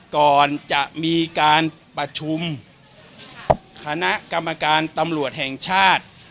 ก่อนจะมีการประชุมคณะกรรมการตำรวจแห่งชาติ